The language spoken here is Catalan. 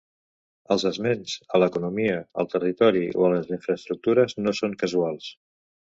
Els esments a l'economia, al territori o a les infraestructures no són casuals.